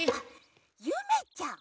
ゆめちゃん！